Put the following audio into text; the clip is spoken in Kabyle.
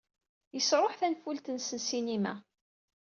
Yesṛuḥ tanfult-nnes n ssinima.